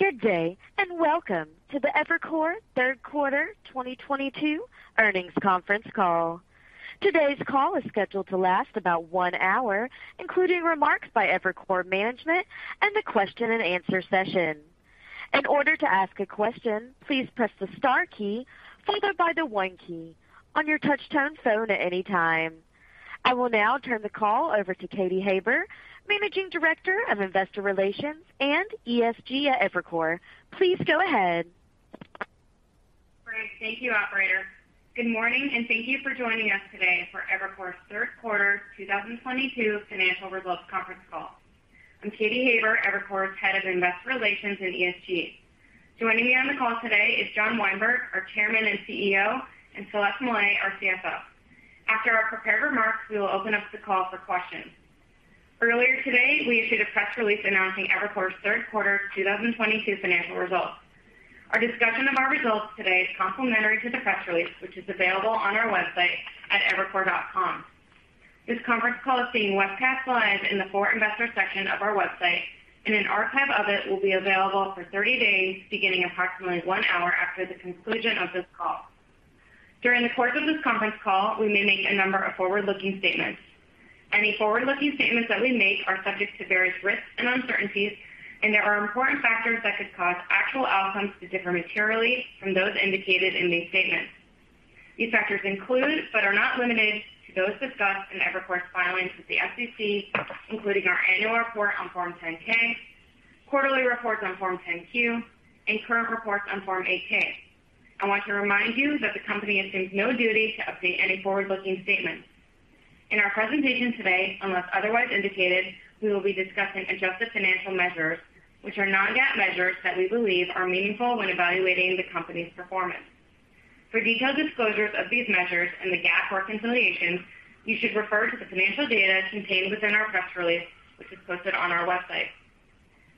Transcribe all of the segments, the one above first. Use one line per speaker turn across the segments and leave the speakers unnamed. Good day, and welcome to the Evercore Third Quarter 2022 Earnings Conference Call. Today's call is scheduled to last about one hour, including remarks by Evercore management and a question and answer session. In order to ask a question, please press the star key followed by the one key on your touch-tone phone at any time. I will now turn the call over to Katy Haber, Managing Director of Investor Relations and ESG at Evercore. Please go ahead.
Great. Thank you, operator. Good morning, and thank you for joining us today for Evercore's Third Quarter 2022 Financial Results Conference Call. I'm Katy Haber, Evercore's Head of Investor Relations and ESG. Joining me on the call today is John Weinberg, our Chairman and CEO, and Celeste Mellet, our CFO. After our prepared remarks, we will open up the call for questions. Earlier today, we issued a press release announcing Evercore's Third Quarter 2022 Financial Results. Our discussion of our results today is complementary to the press release, which is available on our website at evercore.com. This conference call is being webcast live in the for investors section of our website, and an archive of it will be available for 30 days beginning approximately one hour after the conclusion of this call. During the course of this conference call, we may make a number of forward-looking statements. Any forward-looking statements that we make are subject to various risks and uncertainties, and there are important factors that could cause actual outcomes to differ materially from those indicated in these statements. These factors include, but are not limited to those discussed in Evercore's filings with the SEC, including our annual report on Form 10-K, quarterly reports on Form 10-Q, and current reports on Form 8-K. I want to remind you that the company assumes no duty to update any forward-looking statement. In our presentation today, unless otherwise indicated, we will be discussing adjusted financial measures, which are non-GAAP measures that we believe are meaningful when evaluating the company's performance. For detailed disclosures of these measures and the GAAP reconciliations, you should refer to the financial data contained within our press release, which is posted on our website.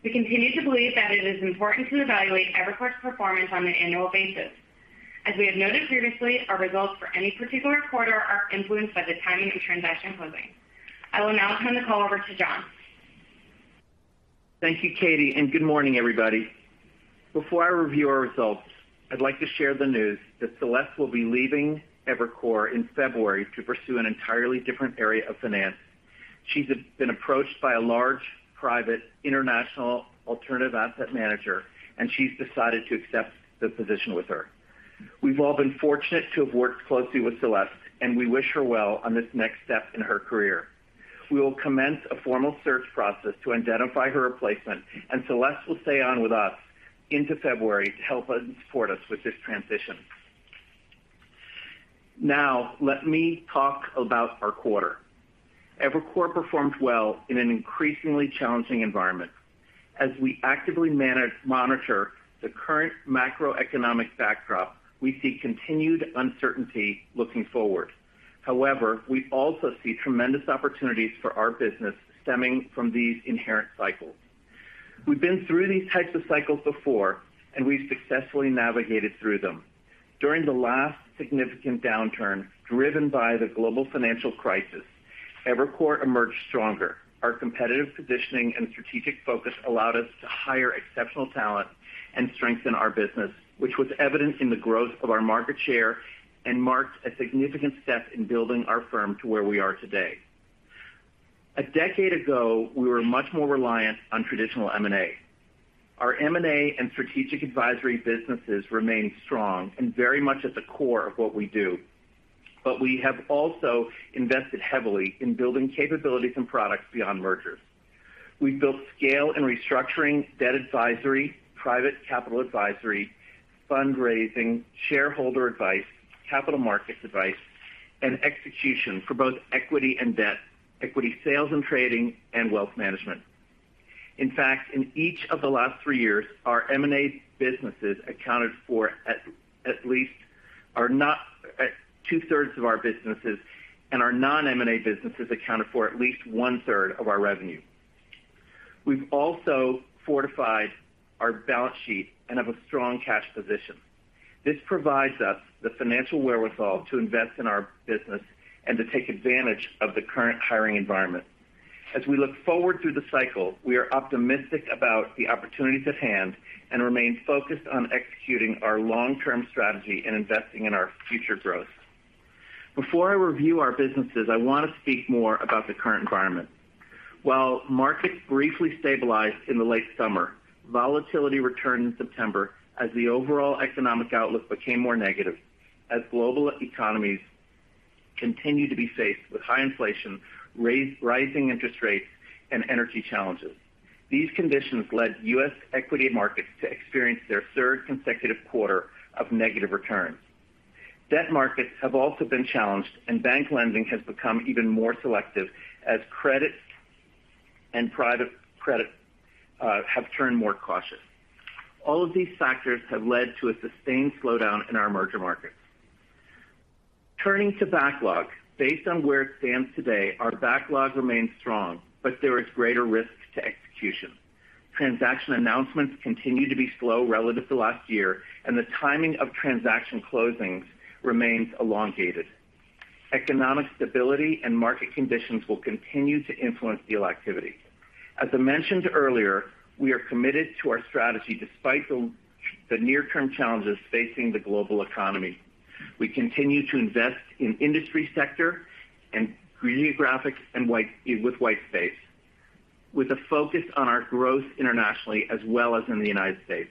We continue to believe that it is important to evaluate Evercore's performance on an annual basis. As we have noted previously, our results for any particular quarter are influenced by the timing of transaction closings. I will now turn the call over to John.
Thank you, Katy, and good morning, everybody. Before I review our results, I'd like to share the news that Celeste will be leaving Evercore in February to pursue an entirely different area of finance. She's been approached by a large private international alternative asset manager, and she's decided to accept the position with her. We've all been fortunate to have worked closely with Celeste, and we wish her well on this next step in her career. We will commence a formal search process to identify her replacement, and Celeste will stay on with us into February to help us and support us with this transition. Now let me talk about our quarter. Evercore performed well in an increasingly challenging environment. As we actively monitor the current macroeconomic backdrop, we see continued uncertainty looking forward. However, we also see tremendous opportunities for our business stemming from these inherent cycles. We've been through these types of cycles before, and we've successfully navigated through them. During the last significant downturn driven by the global financial crisis, Evercore emerged stronger. Our competitive positioning and strategic focus allowed us to hire exceptional talent and strengthen our business, which was evident in the growth of our market share and marked a significant step in building our firm to where we are today. A decade ago, we were much more reliant on traditional M&A. Our M&A and Strategic Advisory businesses remain strong and very much at the core of what we do. We have also invested heavily in building capabilities and products beyond mergers. We've built scale and restructuring, debt advisory, private capital advisory, fundraising, shareholder advice, capital markets advice, and execution for both equity and debt, equity sales and trading, and wealth management. In fact, in each of the last three years, our M&A businesses accounted for at least two-thirds of our businesses and our non-M&A businesses accounted for at least one-third of our revenue. We've also fortified our balance sheet and have a strong cash position. This provides us the financial wherewithal to invest in our business and to take advantage of the current hiring environment. As we look forward through the cycle, we are optimistic about the opportunities at hand and remain focused on executing our long-term strategy and investing in our future growth. Before I review our businesses, I want to speak more about the current environment. While markets briefly stabilized in the late summer, volatility returned in September as the overall economic outlook became more negative as global economies continue to be faced with high inflation, rising interest rates, and energy challenges. These conditions led U.S. equity markets to experience their third consecutive quarter of negative returns. Debt markets have also been challenged, and bank lending has become even more selective as credit and private credit have turned more cautious. All of these factors have led to a sustained slowdown in our merger markets. Turning to backlog. Based on where it stands today, our backlog remains strong, but there is greater risk to execution. Transaction announcements continue to be slow relative to last year, and the timing of transaction closings remains elongated. Economic stability and market conditions will continue to influence deal activity. As I mentioned earlier, we are committed to our strategy despite the near-term challenges facing the global economy. We continue to invest in industry sector and geographic and white space, with a focus on our growth internationally as well as in the United States.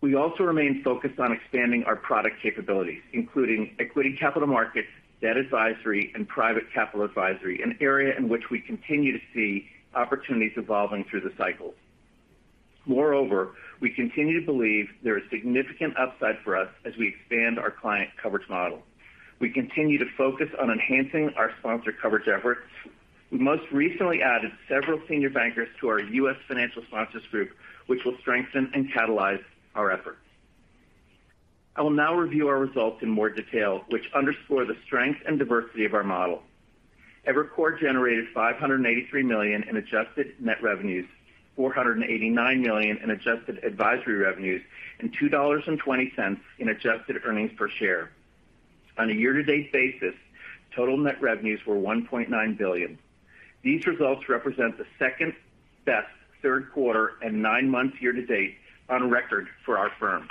We also remain focused on expanding our product capabilities, including equity capital markets, debt advisory, and private capital advisory, an area in which we continue to see opportunities evolving through the cycles. Moreover, we continue to believe there is significant upside for us as we expand our client coverage model. We continue to focus on enhancing our sponsor coverage efforts. We most recently added several senior bankers to our U.S. financial sponsors group, which will strengthen and catalyze our efforts. I will now review our results in more detail, which underscore the strength and diversity of our model. Evercore generated $583 million in adjusted net revenues, $489 million in adjusted advisory revenues, and $2.20 in adjusted earnings per share. On a year-to-date basis, total net revenues were $1.9 billion. These results represent the second-best third quarter and nine months year-to-date on record for our firm.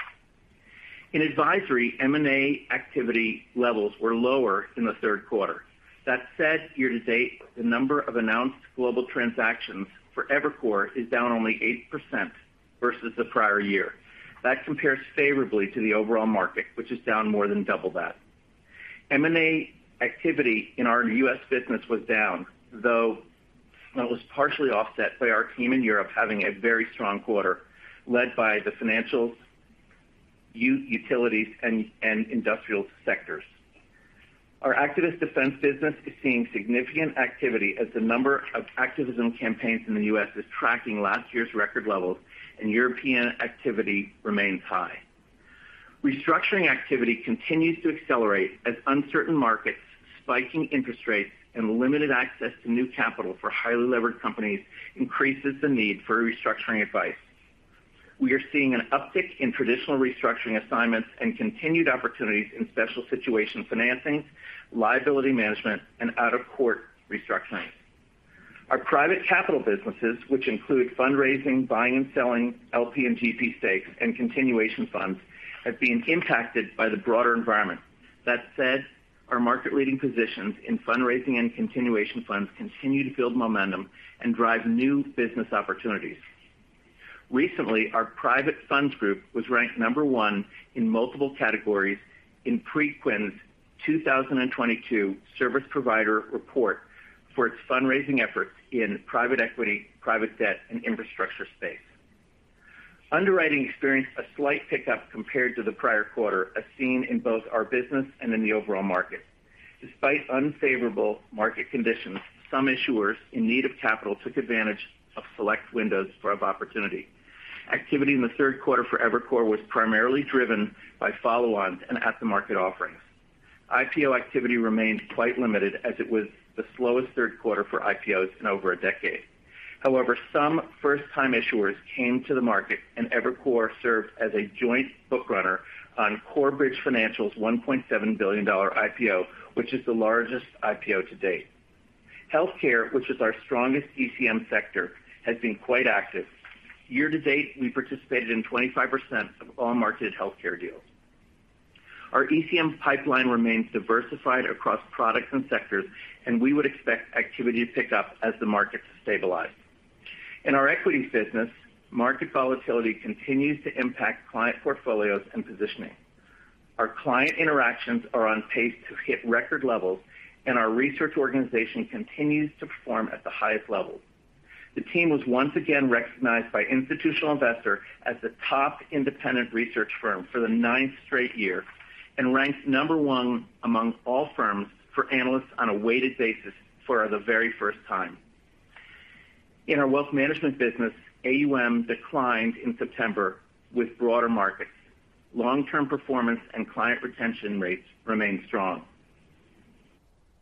In advisory, M&A activity levels were lower in the third quarter. That said, year-to-date, the number of announced global transactions for Evercore is down only 8% versus the prior year. That compares favorably to the overall market, which is down more than double that. M&A activity in our U.S. business was down, though that was partially offset by our team in Europe having a very strong quarter, led by the financials, utilities, and industrial sectors. Our activist Defense business is seeing significant activity as the number of activism campaigns in the U.S. is tracking last year's record levels, and European activity remains high. Restructuring activity continues to accelerate as uncertain markets, spiking interest rates, and limited access to new capital for highly levered companies increases the need for restructuring advice. We are seeing an uptick in traditional restructuring assignments and continued opportunities in special situation financing, liability management, and out-of-court restructuring. Our Private Capital businesses, which include fundraising, buying and selling LP and GP stakes, and continuation funds, have been impacted by the broader environment. That said, our market-leading positions in fundraising and continuation funds continue to build momentum and drive new business opportunities. Recently, our private funds group was ranked number one in multiple categories in Preqin's 2022 Service Provider report for its fundraising efforts in private equity, private debt, and infrastructure space. Underwriting experienced a slight pickup compared to the prior quarter, as seen in both our business and in the overall market. Despite unfavorable market conditions, some issuers in need of capital took advantage of select windows of opportunity. Activity in the third quarter for Evercore was primarily driven by follow-ons and at-the-market offerings. IPO activity remained quite limited as it was the slowest third quarter for IPOs in over a decade. However, some first-time issuers came to the market, and Evercore served as a joint book runner on Corebridge Financial's $1.7 billion IPO, which is the largest IPO to date. Healthcare, which is our strongest ECM sector, has been quite active. Year-to-date, we participated in 25% of all marketed healthcare deals. Our ECM pipeline remains diversified across products and sectors, and we would expect activity to pick up as the market stabilizes. In our Equity business, market volatility continues to impact client portfolios and positioning. Our client interactions are on pace to hit record levels, and our research organization continues to perform at the highest levels. The team was once again recognized by Institutional Investor as the top independent research firm for the ninth straight year and ranks number one among all firms for analysts on a weighted basis for the very first time. In our Wealth Management business, AUM declined in September with broader markets. Long-term performance and client retention rates remain strong.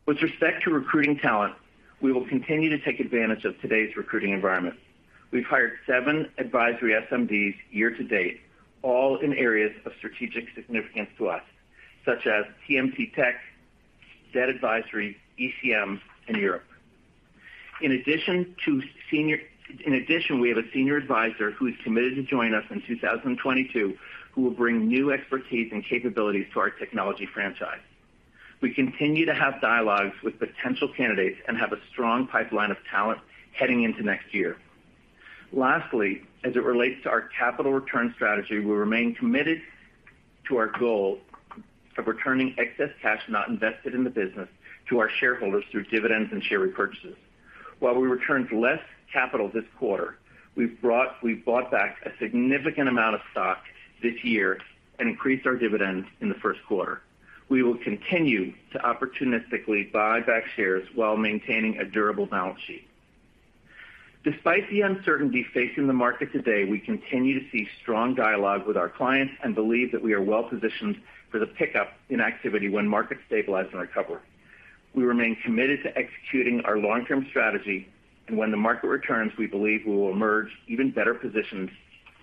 With respect to recruiting talent, we will continue to take advantage of today's recruiting environment. We've hired seven advisory SMDs year-to-date, all in areas of strategic significance to us, such as TMT Tech, debt advisory, ECM, and Europe. In addition, we have a senior advisor who is committed to join us in 2022 who will bring new expertise and capabilities to our technology franchise. We continue to have dialogues with potential candidates and have a strong pipeline of talent heading into next year. Lastly, as it relates to our capital return strategy, we remain committed to our goal of returning excess cash not invested in the business to our shareholders through dividends and share repurchases. While we returned less capital this quarter, we've bought back a significant amount of stock this year and increased our dividends in the first quarter. We will continue to opportunistically buy back shares while maintaining a durable balance sheet. Despite the uncertainty facing the market today, we continue to see strong dialogue with our clients and believe that we are well-positioned for the pickup in activity when markets stabilize and recover. We remain committed to executing our long-term strategy, and when the market returns, we believe we will emerge even better positioned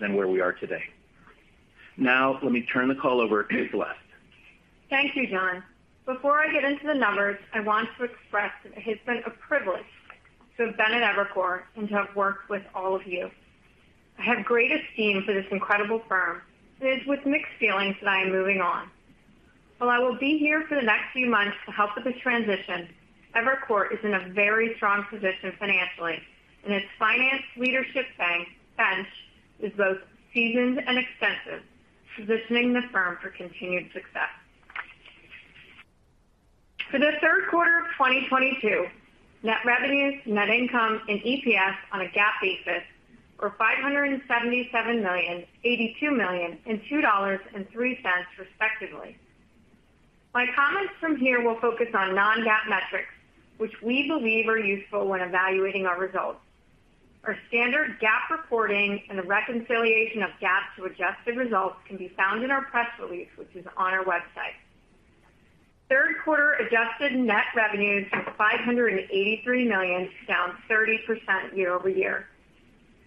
than where we are today. Now let me turn the call over to Celeste.
Thank you, John. Before I get into the numbers, I want to express that it has been a privilege to have been at Evercore and to have worked with all of you. I have great esteem for this incredible firm, and it is with mixed feelings that I am moving on. While I will be here for the next few months to help with the transition, Evercore is in a very strong position financially, and its finance leadership bench is both seasoned and extensive, positioning the firm for continued success. For the third quarter of 2022, net revenues, net income and EPS on a GAAP basis were $577 million, $82 million, and $2.03 respectively. My comments from here will focus on non-GAAP metrics, which we believe are useful when evaluating our results. Our standard GAAP reporting and the reconciliation of GAAP to adjusted results can be found in our press release, which is on our website. Third quarter adjusted net revenues was $583 million, down 30% year-over-year.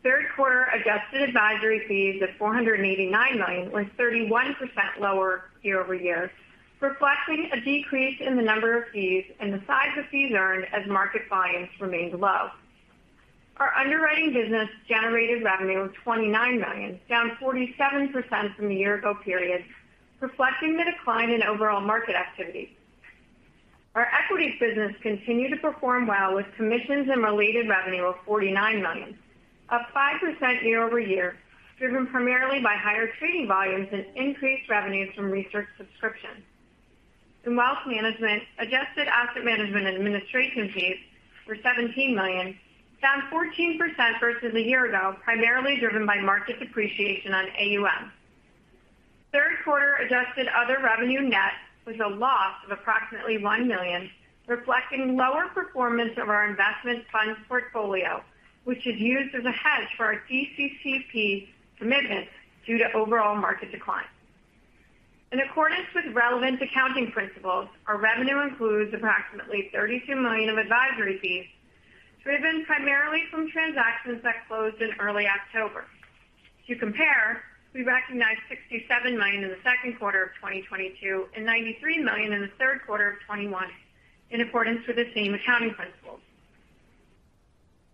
Third quarter adjusted advisory fees of $489 million were 31% lower year-over-year, reflecting a decrease in the number of fees and the size of fees earned as market volumes remained low. Our Underwriting business generated revenue of $29 million, down 47% from the year ago period, reflecting the decline in overall market activity. Our Equities business continued to perform well, with commissions and related revenue of $49 million, up 5% year-over-year, driven primarily by higher trading volumes and increased revenues from research subscriptions. In wealth management, adjusted asset management and administration fees were $17 million, down 14% versus a year ago, primarily driven by market depreciation on AUM. Third quarter adjusted other revenue net was a loss of approximately $1 million, reflecting lower performance of our investment fund portfolio, which is used as a hedge for our DCCP commitments due to overall market decline. In accordance with relevant accounting principles, our revenue includes approximately $32 million of advisory fees, driven primarily from transactions that closed in early October. To compare, we recognized $67 million in the second quarter of 2022 and $93 million in the third quarter of 2021 in accordance with the same accounting principles.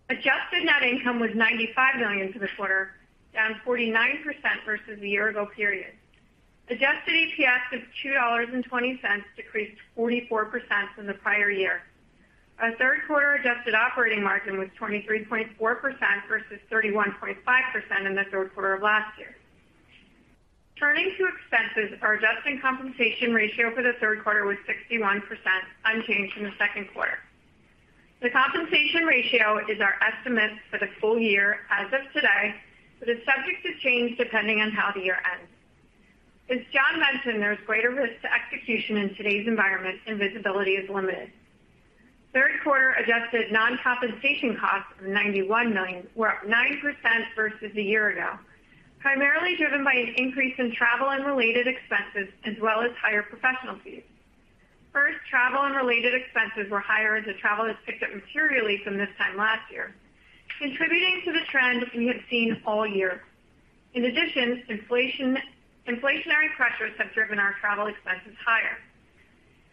Adjusted net income was $95 million for the quarter, down 49% versus the year ago period. Adjusted EPS of $2.20 decreased 44% from the prior year. Our third quarter adjusted operating margin was 23.4% versus 31.5% in the third quarter of last year. Turning to expenses, our adjusted compensation ratio for the third quarter was 61%, unchanged from the second quarter. The compensation ratio is our estimate for the full year as of today, but is subject to change depending on how the year ends. As John mentioned, there's greater risk to execution in today's environment and visibility is limited. Third quarter adjusted non-compensation costs of $91 million were up 9% versus a year ago, primarily driven by an increase in travel and related expenses, as well as higher professional fees. First, travel and related expenses were higher as travel has picked up materially from this time last year, contributing to the trend we have seen all year. Inflationary pressures have driven our travel expenses higher.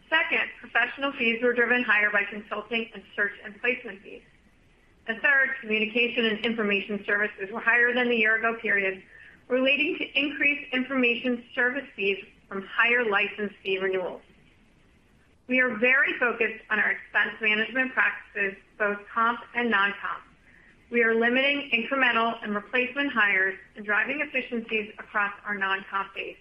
Second, professional fees were driven higher by consulting and search and placement fees. Third, communication and information services were higher than the year ago period, relating to increased information service fees from higher license fee renewals. We are very focused on our expense management practices, both comp and non-comp. We are limiting incremental and replacement hires and driving efficiencies across our non-comp base.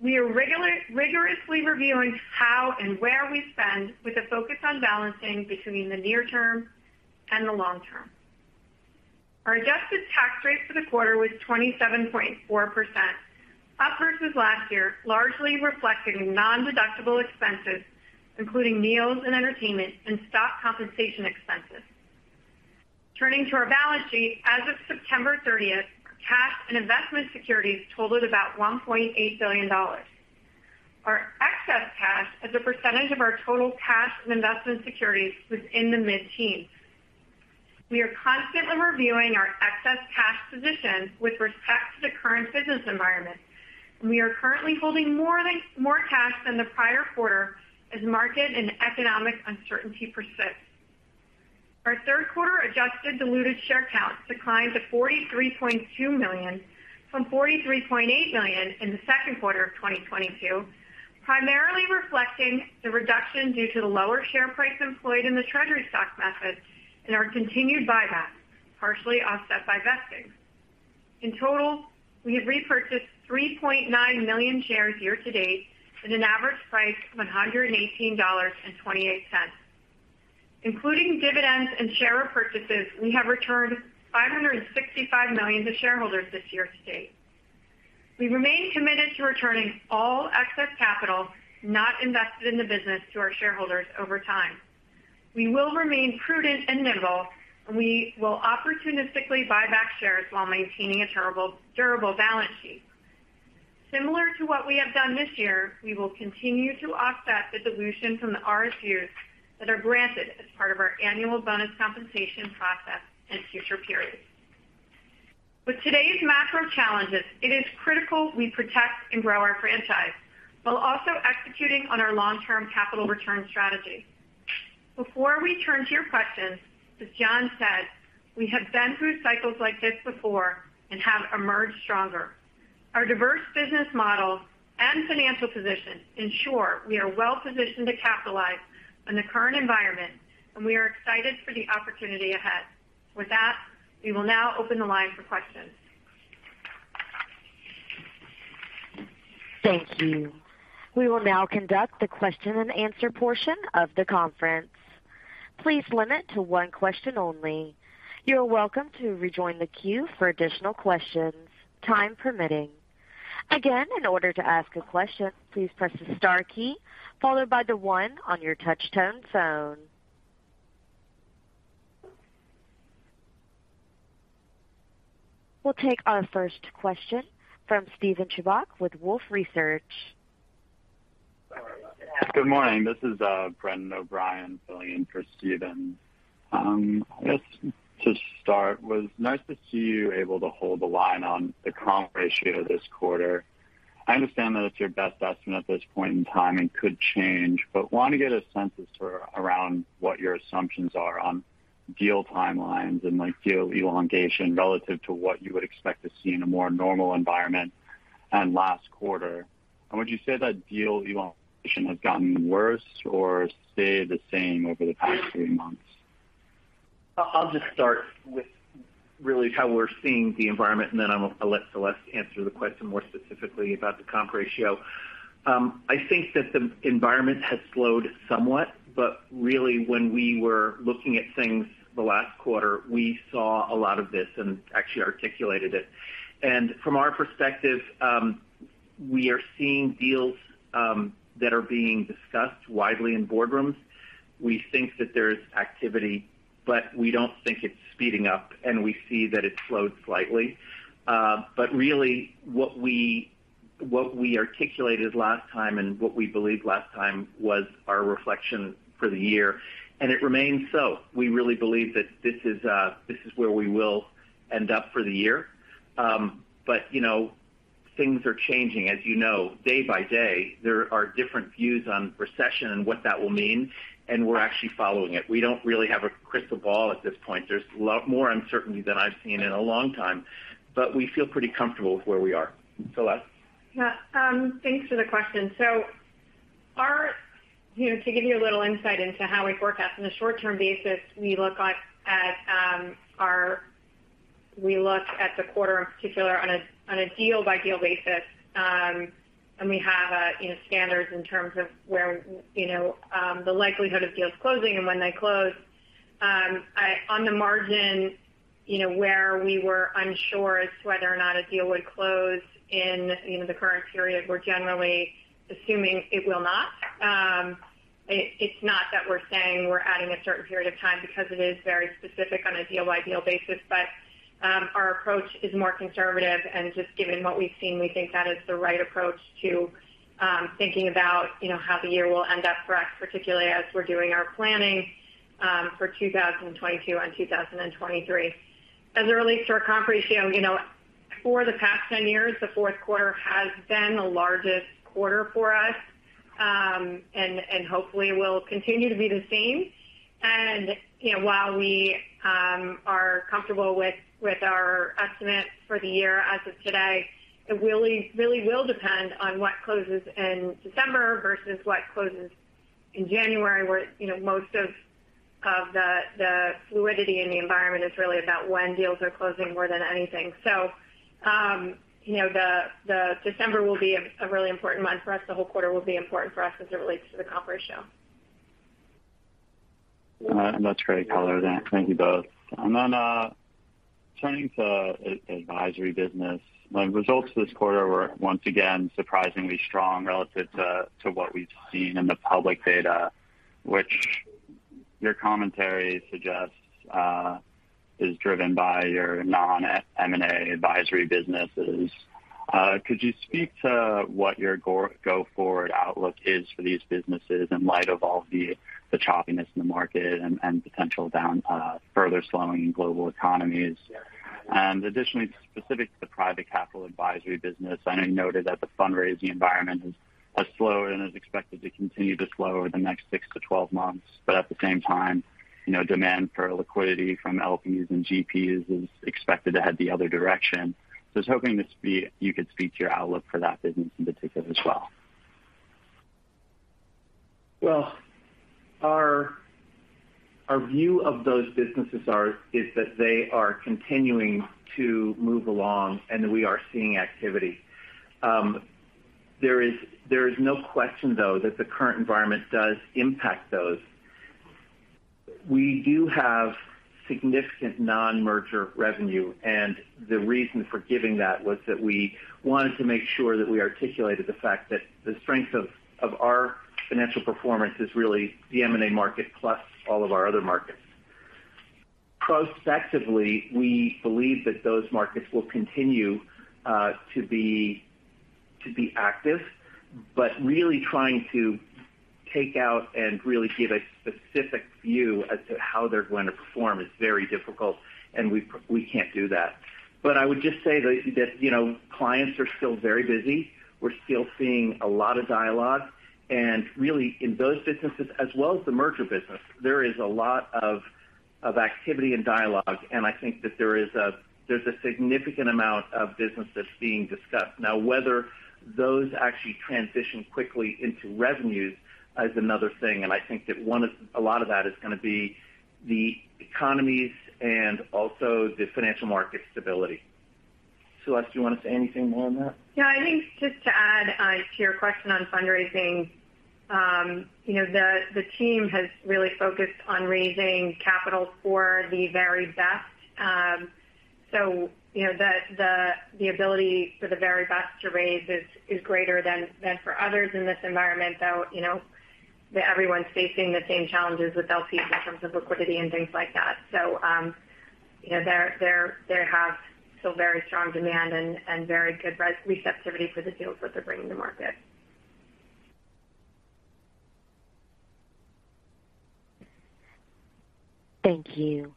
We are rigorously reviewing how and where we spend with a focus on balancing between the near term and the long term. Our adjusted tax rate for the quarter was 27.4%, up versus last year, largely reflecting nondeductible expenses, including meals and entertainment and stock compensation expenses. Turning to our balance sheet, as of September thirtieth, our cash and investment securities totaled about $1.8 billion. Our excess cash as a percentage of our total cash and investment securities was in the mid-teens%. We are constantly reviewing our excess cash position with respect to the current business environment, and we are currently holding more cash than the prior quarter as market and economic uncertainty persists. Our third quarter adjusted diluted share count declined to 43.2 million from 43.8 million in the second quarter of 2022, primarily reflecting the reduction due to the lower share price employed in the treasury stock method and our continued buyback, partially offset by vesting. In total, we have repurchased 3.9 million shares year-to-date at an average price of $118.28. Including dividends and share repurchases, we have returned $565 million to shareholders this year-to-date. We remain committed to returning all excess capital not invested in the business to our shareholders over time. We will remain prudent and nimble, and we will opportunistically buy back shares while maintaining a durable balance sheet. Similar to what we have done this year, we will continue to offset the dilution from the RSUs that are granted as part of our annual bonus compensation process in future periods. With today's macro challenges, it is critical we protect and grow our franchise while also executing on our long-term capital return strategy. Before we turn to your questions, as John said, we have been through cycles like this before and have emerged stronger. Our diverse business model and financial position ensure we are well-positioned to capitalize on the current environment, and we are excited for the opportunity ahead. With that, we will now open the line for questions.
Thank you. We will now conduct the question and answer portion of the conference. Please limit to one question only. You're welcome to rejoin the queue for additional questions, time permitting. Again, in order to ask a question, please press the star key followed by the one on your touch-tone phone. We'll take our first question from Steven Chubak with Wolfe Research.
Good morning. This is Brendan O'Brien filling in for Steven. I guess to start, was nice to see you able to hold the line on the comp ratio this quarter. I understand that it's your best estimate at this point in time and could change, but want to get a sense as for around what your assumptions are on deal timelines and, like, deal elongation relative to what you would expect to see in a more normal environment and last quarter. Would you say that deal elongation has gotten worse or stayed the same over the past three months?
I'll just start with really how we're seeing the environment, and then I'll let Celeste answer the question more specifically about the comp ratio. I think that the environment has slowed somewhat, but really, when we were looking at things the last quarter, we saw a lot of this and actually articulated it. From our perspective, we are seeing deals that are being discussed widely in boardrooms. We think that there's activity, but we don't think it's speeding up, and we see that it slowed slightly. Really what we articulated last time and what we believed last time was our reflection for the year, and it remains so. We really believe that this is where we will end up for the year. You know, things are changing. As you know, day by day, there are different views on recession and what that will mean, and we're actually following it. We don't really have a crystal ball at this point. There's a lot more uncertainty than I've seen in a long time, but we feel pretty comfortable with where we are. Celeste.
Yeah. Thanks for the question. You know, to give you a little insight into how we forecast. On a short-term basis, we look at the quarter in particular on a deal-by-deal basis. We have, you know, standards in terms of where, you know, the likelihood of deals closing and when they close. On the margin, you know, where we were unsure as to whether or not a deal would close in, you know, the current period, we're generally assuming it will not. It's not that we're saying we're adding a certain period of time because it is very specific on a deal-by-deal basis. Our approach is more conservative, and just given what we've seen, we think that is the right approach to thinking about, you know, how the year will end up for us, particularly as we're doing our planning for 2022 and 2023. As it relates to our comp ratio, you know, for the past 10 years, the fourth quarter has been the largest quarter for us, and hopefully will continue to be the same. You know, while we are comfortable with our estimates for the year as of today, it really will depend on what closes in December versus what closes in January, where, you know, most of the fluidity in the environment is really about when deals are closing more than anything. You know, the December will be a really important month for us. The whole quarter will be important for us as it relates to the comp ratio.
That's great color. Thank you both. Turning to Advisory business. Results this quarter were once again surprisingly strong relative to what we've seen in the public data, which your commentary suggests is driven by your non-M&A Advisory businesses. Could you speak to what your go-forward outlook is for these businesses in light of all the choppiness in the market and potential further slowing in global economies? Additionally, specific to the Private Capital Advisory business, I know you noted that the fundraising environment has slowed and is expected to continue to slow over the next 6-12 months. At the same time, you know, demand for liquidity from LPs and GPs is expected to head the other direction. Just hoping you could speak to your outlook for that business in particular as well.
Well, our view of those businesses is that they are continuing to move along and that we are seeing activity. There is no question, though, that the current environment does impact those. We do have significant non-merger revenue, and the reason for giving that was that we wanted to make sure that we articulated the fact that the strength of our financial performance is really the M&A market plus all of our other markets. Prospectively, we believe that those markets will continue to be active. Really trying to take out and really give a specific view as to how they're going to perform is very difficult, and we can't do that. I would just say that you know, clients are still very busy. We're still seeing a lot of dialogue. Really in those businesses as well as the merger business, there is a lot of activity and dialogue. I think that there's a significant amount of business that's being discussed. Now, whether those actually transition quickly into revenues is another thing. I think that a lot of that is gonna be the economies and also the financial market stability. Celeste, do you wanna say anything more on that?
Yeah, I think just to add to your question on fundraising, you know, the team has really focused on raising capital for the very best. You know, the ability for the very best to raise is greater than for others in this environment, though, you know, everyone's facing the same challenges with LPs in terms of liquidity and things like that. You know, there have still very strong demand and very good receptivity for the deals that they're bringing to market.
Thank you.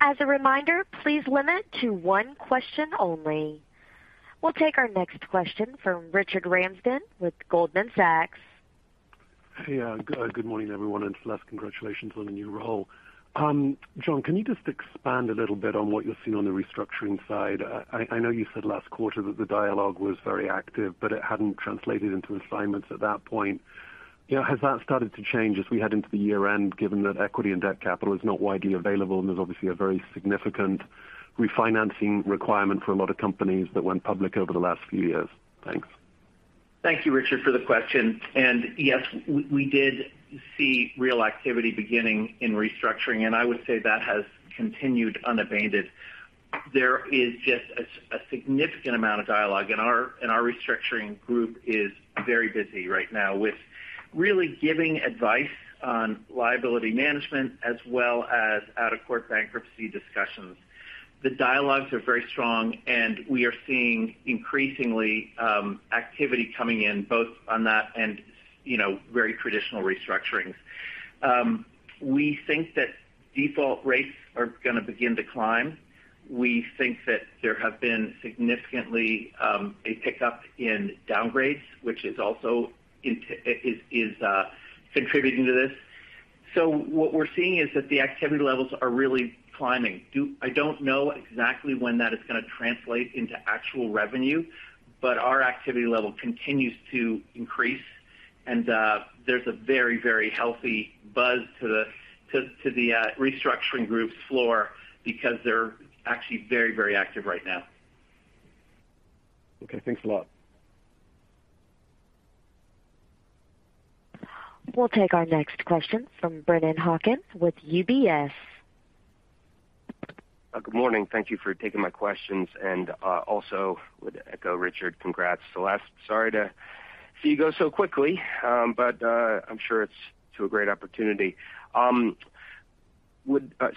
As a reminder, please limit to one question only. We'll take our next question from Richard Ramsden with Goldman Sachs.
Hey, good morning everyone. Celeste, congratulations on the new role. John, can you just expand a little bit on what you're seeing on the restructuring side? I know you said last quarter that the dialogue was very active, but it hadn't translated into assignments at that point. You know, has that started to change as we head into the year-end, given that equity and debt capital is not widely available, and there's obviously a very significant refinancing requirement for a lot of companies that went public over the last few years? Thanks.
Thank you, Richard, for the question. Yes, we did see real activity beginning in restructuring, and I would say that has continued unabated. There is just a significant amount of dialogue, and our restructuring group is very busy right now with really giving advice on liability management as well as out-of-court bankruptcy discussions. The dialogues are very strong, and we are seeing increasingly activity coming in both on that and, you know, very traditional restructurings. We think that default rates are gonna begin to climb. We think that there have been significantly a pickup in downgrades, which is also contributing to this. What we're seeing is that the activity levels are really climbing. I don't know exactly when that is gonna translate into actual revenue, but our activity level continues to increase, and there's a very healthy buzz to the restructuring group's floor because they're actually very active right now.
Okay, thanks a lot.
We'll take our next question from Brennan Hawken with UBS.
Good morning. Thank you for taking my questions. also would echo Richard, congrats, Celeste. Sorry to see you go so quickly, but I'm sure it's to a great opportunity.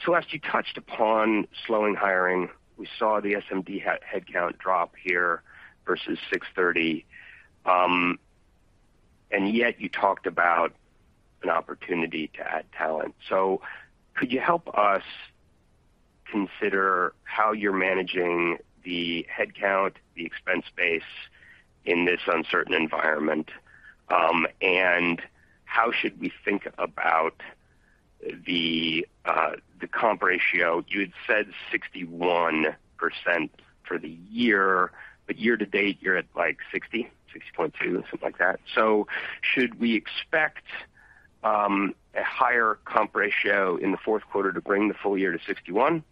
Celeste, you touched upon slowing hiring. We saw the SMD headcount drop here versus 630. yet you talked about an opportunity to add talent. could you help us consider how you're managing the headcount, the expense base in this uncertain environment? how should we think about the comp ratio? You had said 61% for the year, but year-to-date you're at like 60.2, something like that. should we expect a higher comp ratio in the fourth quarter to bring the full year to 61?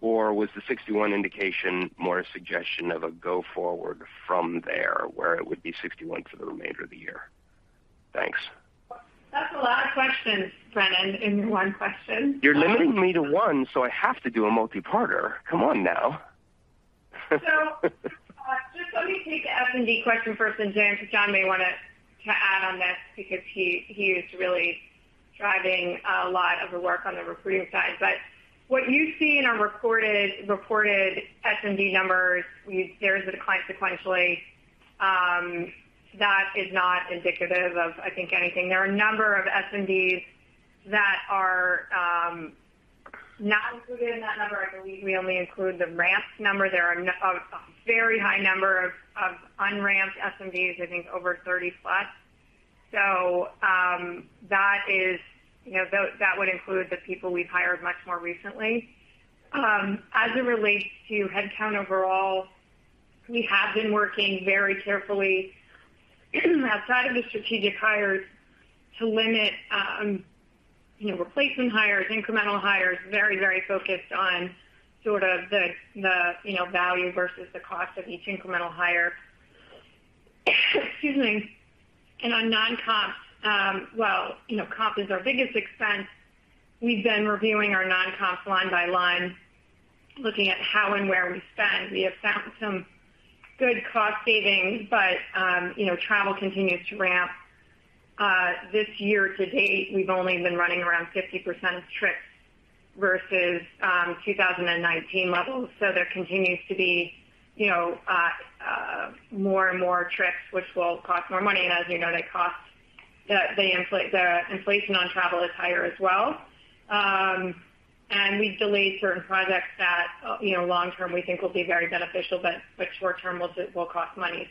Was the 61% indication more a suggestion of a go forward from there, where it would be 61% for the remainder of the year? Thanks.
That's a lot of questions, Brennan, in one question.
You're limiting me to one, so I have to do a multi-parter. Come on now.
Just let me take the SMD question first, then John, 'cause John may want to add on this because he is really driving a lot of the work on the recruiting side. What you see in our reported SMD numbers, there is a decline sequentially, that is not indicative of, I think, anything. There are a number of SMDs that are not included in that number. I believe we only include the ramped number. There are a very high number of un-ramped SMDs, I think over 30 plus. That is, you know, that would include the people we've hired much more recently. As it relates to headcount overall, we have been working very carefully outside of the strategic hires to limit, you know, replacement hires, incremental hires, very, very focused on sort of the you know, value versus the cost of each incremental hire. Excuse me. On non-comps, well, you know, comp is our biggest expense. We've been reviewing our non-comps line by line. Looking at how and where we spend, we have found some good cost savings, but, you know, travel continues to ramp. This year-to-date, we've only been running around 50% of trips versus 2019 levels. So there continues to be, you know, more and more trips which will cost more money. As you know, the inflation on travel is higher as well. We've delayed certain projects that, you know, long term we think will be very beneficial, but short term will cost money.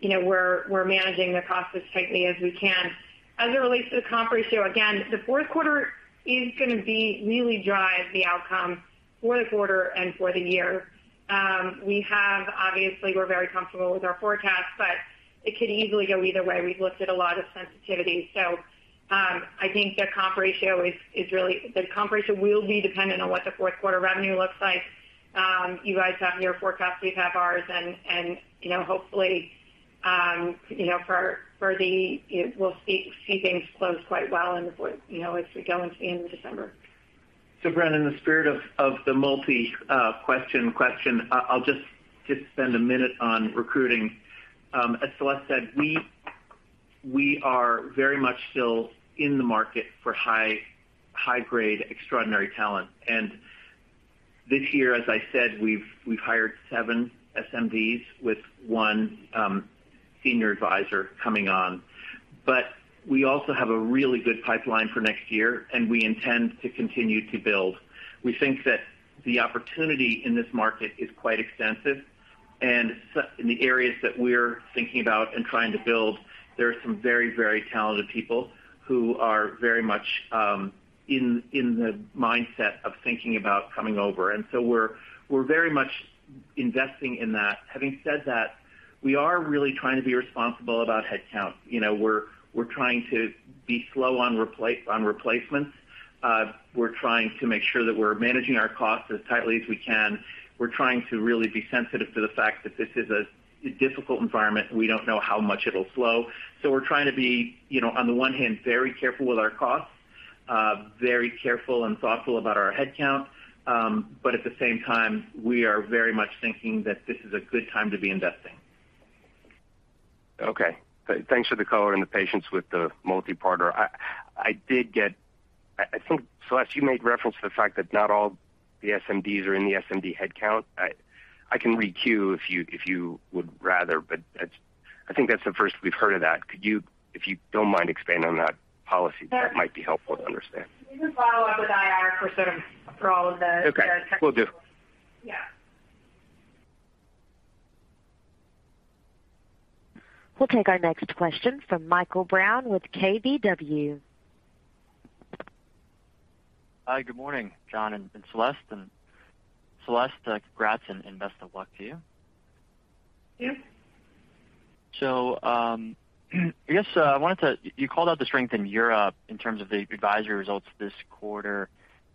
You know, we're managing the costs as tightly as we can. As it relates to the comp ratio, again, the fourth quarter is gonna really drive the outcome for the quarter and for the year. Obviously, we're very comfortable with our forecast, but it could easily go either way. We've looked at a lot of sensitivity. I think the comp ratio will be dependent on what the fourth quarter revenue looks like. You guys have your forecast, we have ours, and you know, hopefully you know, for the fourth, we'll see things close quite well in the fourth, you know, as we go into the end of December.
Brennan, in the spirit of the multi-question question, I'll just spend a minute on recruiting. As Celeste said, we are very much still in the market for high-grade, extraordinary talent. This year, as I said, we've hired seven SMDs with one senior advisor coming on. We also have a really good pipeline for next year, and we intend to continue to build. We think that the opportunity in this market is quite extensive. In the areas that we're thinking about and trying to build, there are some very talented people who are very much in the mindset of thinking about coming over. We're very much investing in that. Having said that, we are really trying to be responsible about headcount. You know, we're trying to be slow on replacements. We're trying to make sure that we're managing our costs as tightly as we can. We're trying to really be sensitive to the fact that this is a difficult environment, and we don't know how much it'll slow. We're trying to be, you know, on the one hand, very careful with our costs, very careful and thoughtful about our headcount. At the same time, we are very much thinking that this is a good time to be investing.
Okay. Thanks for the color and the patience with the multi-parter. I think, Celeste, you made reference to the fact that not all the SMDs are in the SMD headcount. I can re-queue if you would rather, but that's, I think that's the first we've heard of that. Could you, if you don't mind expanding on that policy, that might be helpful to understand.
You can follow up with IR for all of the technical-
Okay. Will do.
Yeah.
We'll take our next question from Michael Brown with KBW.
Hi, good morning, John and Celeste. Celeste, congrats and best of luck to you.
Thank you.
You called out the strength in Europe in terms of the advisory results this quarter.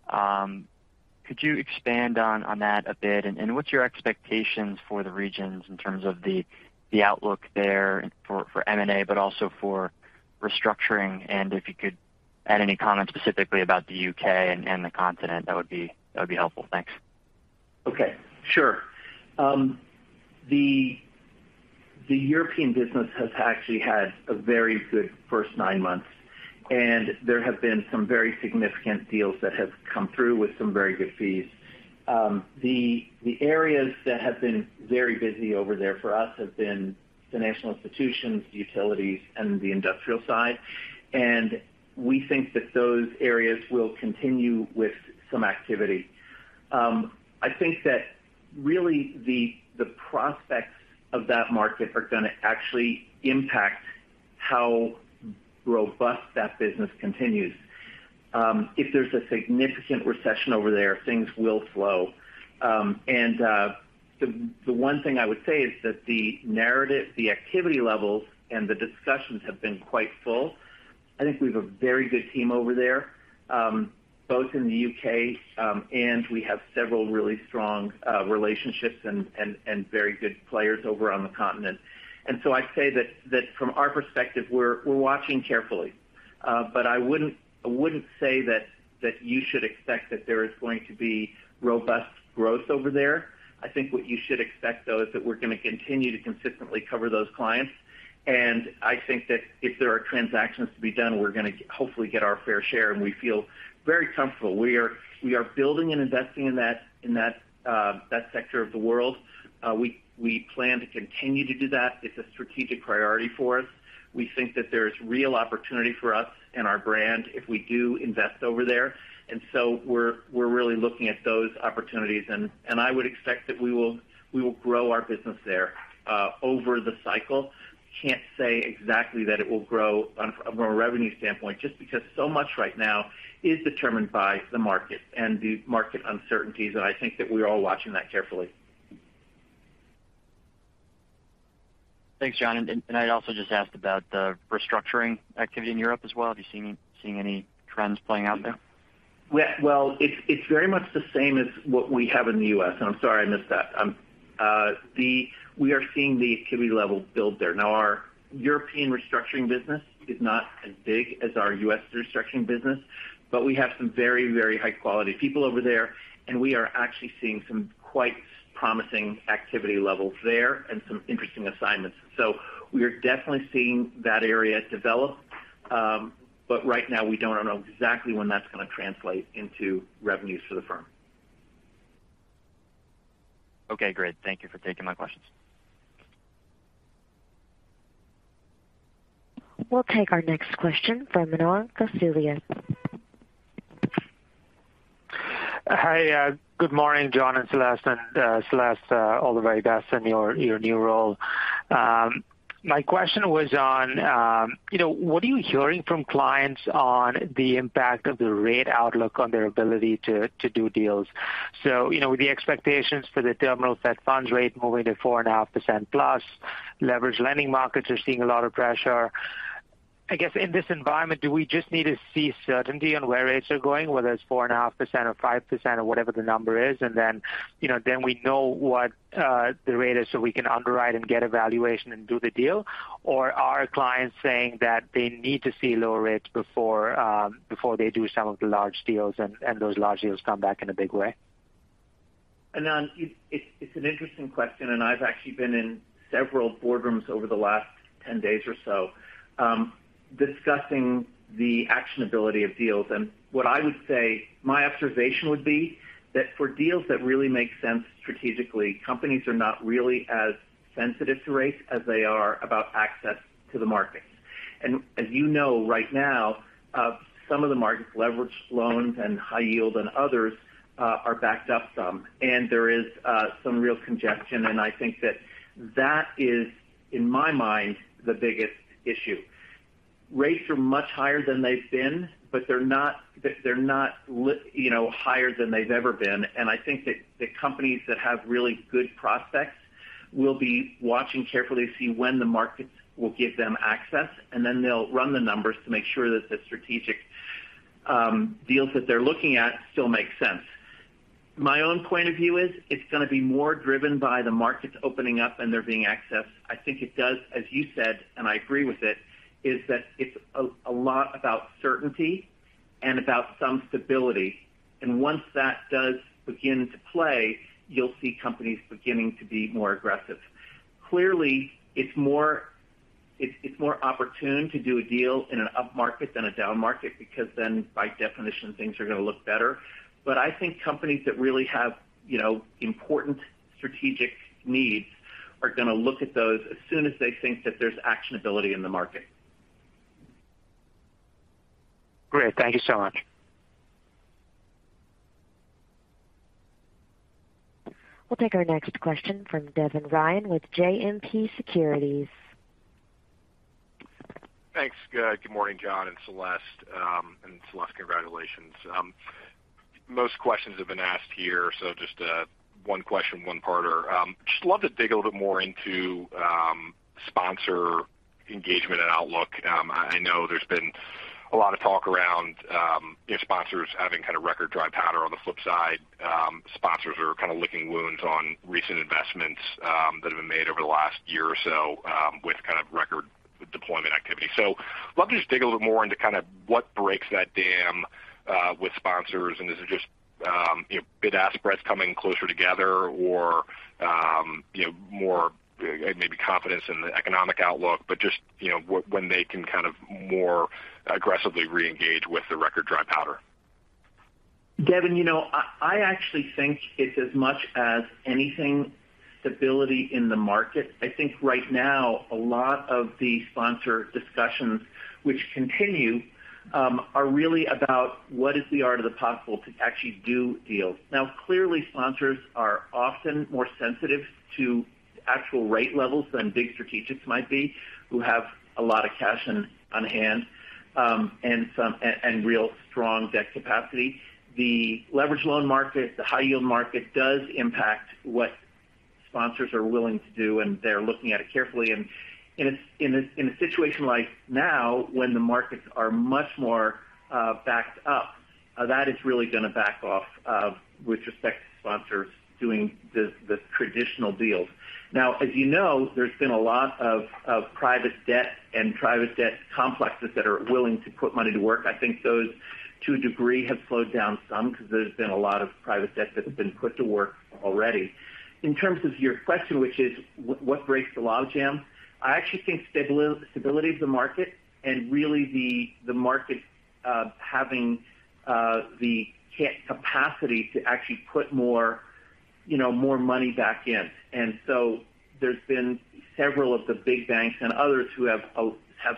Could you expand on that a bit? What's your expectations for the regions in terms of the outlook there for M&A, but also for restructuring? If you could add any comment specifically about the U.K. and the continent, that would be helpful. Thanks.
Okay, sure. The European business has actually had a very good first nine months, and there have been some very significant deals that have come through with some very good fees. The areas that have been very busy over there for us have been the financial institutions, utilities, and the industrial side. We think that those areas will continue with some activity. I think that really the prospects of that market are gonna actually impact how robust that business continues. If there's a significant recession over there, things will slow. The one thing I would say is that the narrative, the activity levels and the discussions have been quite full. I think we have a very good team over there, both in the U.K., and we have several really strong relationships and very good players over on the continent. I'd say that from our perspective, we're watching carefully. I wouldn't say that you should expect that there is going to be robust growth over there. I think what you should expect, though, is that we're gonna continue to consistently cover those clients. I think that if there are transactions to be done, we're gonna hopefully get our fair share, and we feel very comfortable. We are building and investing in that sector of the world. We plan to continue to do that. It's a strategic priority for us. We think that there is real opportunity for us and our brand if we do invest over there. We're really looking at those opportunities. I would expect that we will grow our business there over the cycle. Can't say exactly that it will grow from a revenue standpoint, just because so much right now is determined by the market and the market uncertainties, and I think that we're all watching that carefully.
Thanks, John. I'd also just ask about the restructuring activity in Europe as well. Have you seen any trends playing out there?
Well, it's very much the same as what we have in the U.S., and I'm sorry, I missed that. We are seeing the activity level build there. Now, our European restructuring business is not as big as our U.S. restructuring business, but we have some very, very high quality people over there, and we are actually seeing some quite promising activity levels there and some interesting assignments. We are definitely seeing that area develop. But right now we don't know exactly when that's gonna translate into revenues for the firm.
Okay, great. Thank you for taking my questions.
We'll take our next question from Manan Gosalia.
Hi. Good morning, John and Celeste. Celeste, all the very best in your new role. My question was on, you know, what are you hearing from clients on the impact of the rate outlook on their ability to do deals? You know, the expectations for the terminal Fed funds rate moving to 4.5% plus, leveraged lending markets are seeing a lot of pressure. I guess, in this environment, do we just need to see certainty on where rates are going, whether it's 4.5% or 5% or whatever the number is, and then, you know, we know what the rate is so we can underwrite and get a valuation and do the deal? Are clients saying that they need to see lower rates before they do some of the large deals and those large deals come back in a big way?
Manan, it's an interesting question, and I've actually been in several boardrooms over the last 10 days or so, discussing the actionability of deals. What I would say, my observation would be that for deals that really make sense strategically, companies are not really as sensitive to rates as they are about access to the markets. As you know, right now, some of the markets, leveraged loans and high yield and others, are backed up some. There is some real congestion. I think that is, in my mind, the biggest issue. Rates are much higher than they've been, but they're not, you know, higher than they've ever been. I think that the companies that have really good prospects will be watching carefully to see when the markets will give them access, and then they'll run the numbers to make sure that the strategic deals that they're looking at still make sense. My own point of view is it's gonna be more driven by the markets opening up and there being access. I think it does, as you said, and I agree with it, is that it's a lot about certainty and about some stability. Once that does begin to play, you'll see companies beginning to be more aggressive. Clearly, it's more opportune to do a deal in an upmarket than a downmarket because then by definition, things are gonna look better. I think companies that really have, you know, important strategic needs are gonna look at those as soon as they think that there's actionability in the market.
Great. Thank you so much.
We'll take our next question from Devin Ryan with JMP Securities.
Thanks. Good morning, John and Celeste. Celeste, congratulations. Most questions have been asked here, so just one question, one-parter. Just love to dig a little bit more into sponsor engagement and outlook. I know there's been a lot of talk around, you know, sponsors having had a record dry powder. On the flip side, sponsors are kinda licking wounds on recent investments that have been made over the last year or so, with kind of record deployment activity. Love to just dig a little bit more into kind of what breaks that dam with sponsors. Is it just, you know, bid-ask spreads coming closer together or, you know, more maybe confidence in the economic outlook, but just, you know, when they can kind of more aggressively reengage with the record dry powder?
Devin, you know, I actually think it's as much as anything stability in the market. I think right now a lot of the sponsor discussions which continue are really about what is the art of the possible to actually do deals. Now, clearly, sponsors are often more sensitive to actual rate levels than big strategics might be, who have a lot of cash on hand and real strong debt capacity. The leveraged loan market, the high-yield market does impact what sponsors are willing to do, and they're looking at it carefully. In a situation like now when the markets are much more backed up, that is really gonna back off with respect to sponsors doing the traditional deals. Now, as you know, there's been a lot of private debt complexes that are willing to put money to work. I think those to a degree have slowed down some because there's been a lot of private debt that has been put to work already. In terms of your question, which is what breaks the logjam? I actually think stability of the market and really the market having the capacity to actually put more, you know, more money back in. There's been several of the big banks and others who have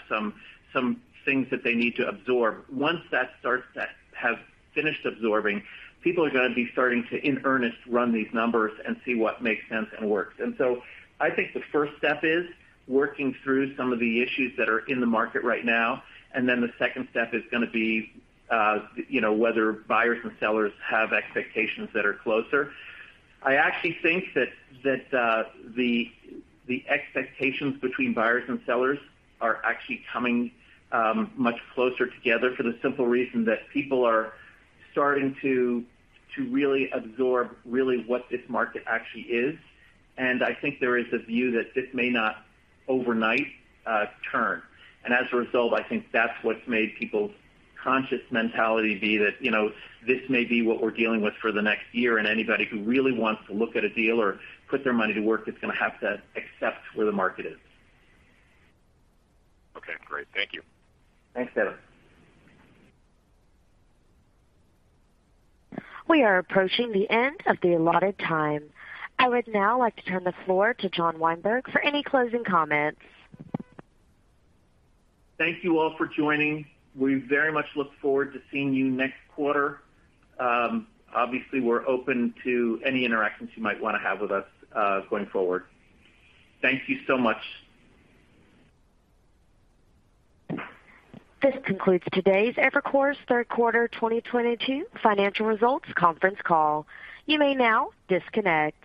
some things that they need to absorb. Once that starts to have finished absorbing, people are gonna be starting to, in earnest, run these numbers and see what makes sense and works. I think the first step is working through some of the issues that are in the market right now. The second step is gonna be, you know, whether buyers and sellers have expectations that are closer. I actually think that the expectations between buyers and sellers are actually coming much closer together for the simple reason that people are starting to really absorb really what this market actually is. I think there is a view that this may not overnight turn. As a result, I think that's what's made people's conscious mentality be that, you know, this may be what we're dealing with for the next year. Anybody who really wants to look at a deal or put their money to work is gonna have to accept where the market is.
Okay, great. Thank you.
Thanks, Devin.
We are approaching the end of the allotted time. I would now like to turn the floor to John Weinberg for any closing comments.
Thank you all for joining. We very much look forward to seeing you next quarter. Obviously, we're open to any interactions you might wanna have with us, going forward. Thank you so much.
This concludes today's Evercore's Third Quarter 2022 Financial Results Conference Call. You may now disconnect.